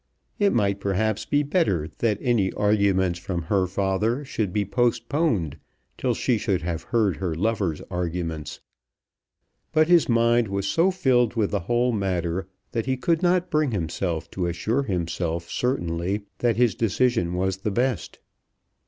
It might, perhaps, be better that any arguments from her father should be postponed till she should have heard her lover's arguments. But his mind was so filled with the whole matter that he could not bring himself to assure himself certainly that his decision was the best.